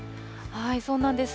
そうなんです。